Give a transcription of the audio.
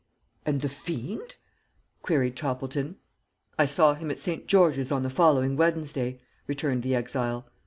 "And the fiend?" queried Toppleton. "I saw him at St. George's on the following Wednesday," returned the exile.